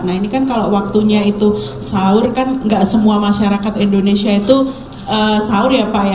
nah ini kan kalau waktunya itu sahur kan nggak semua masyarakat indonesia itu sahur ya pak ya